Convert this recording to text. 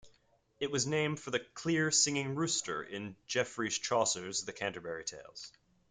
It was named for the "clear singing rooster" in Geoffrey Chaucer's "The Canterbury Tales".